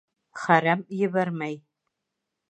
Хәрәм ебәрмәй.